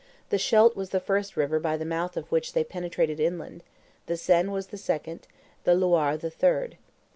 The Scheldt was the first river by the mouth of which they penetrated inland; the Seine was the second; the Loire the third.